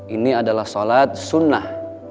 ini adalah solat sunnah